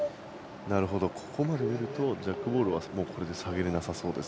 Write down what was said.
ここまで見るとジャックボールはこれで下げられなさそうです。